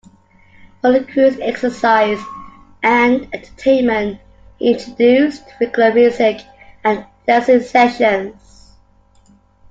For the crew's exercise and entertainment, he introduced regular music and dancing sessions.